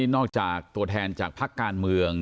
นอกจากตัวแทนจากพักการเมือง